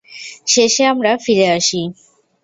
শেষে আমরা ফিরে আসি।